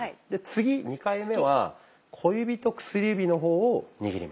次２回目は小指と薬指の方を握ります。